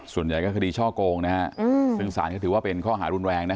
ส่วนใหญ่ก็คดีช่อโกงนะฮะซึ่งศาลก็ถือว่าเป็นข้อหารุนแรงนะ